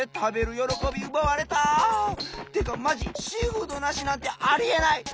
よろこびうばわれた！ってかマジシーフードなしなんてありえない！